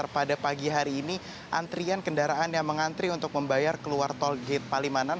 pada pagi hari ini antrian kendaraan yang mengantri untuk membayar keluar tol gate palimanan